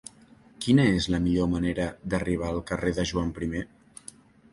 Quina és la millor manera d'arribar al carrer de Joan I?